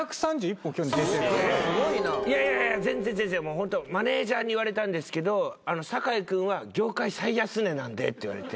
ホントマネジャーに言われたんですけど酒井君は業界最安値なんでって言われて。